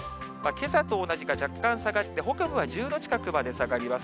けさと同じか若干下がって、北部は１０度近くまで下がります。